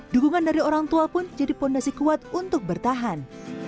dukungan dari orang tua pun jadi fondasi kuat untuk bertahan